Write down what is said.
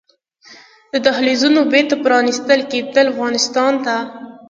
د دهلېزونو بېرته پرانيستل کیدل افغانستان ته